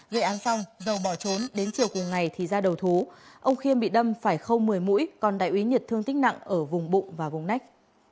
gây án xong dầu bỏ trốn đến chiều cùng ngày thì ra đầu thú ông khiêm bị đâm phải không một mươi mũi còn đại úy nhật thương tích nặng ở vùng bụng và vùng nách